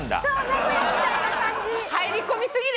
名古屋みたいな感じ！